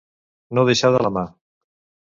No deixar de la mà.